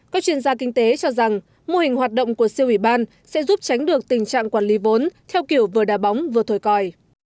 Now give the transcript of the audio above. các chuyên gia kinh tế cho rằng mô hình hoạt động của siêu ủy ban sẽ giúp tránh được tình trạng quản lý vốn theo kiểu vừa đa bóng vừa thổi còi